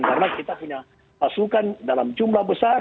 karena kita punya pasukan dalam jumlah besar